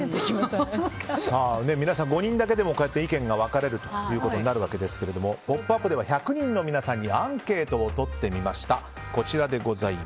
皆さん５人だけでも意見が分かれるということになりますが「ポップＵＰ！」では１００人の皆さんにアンケートをとってみました。